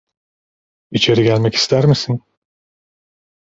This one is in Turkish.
İçeri gelmek ister misin?